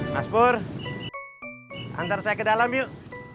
mas bur antar saya ke dalam yuk